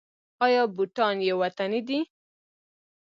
آیا بوټان یې وطني دي؟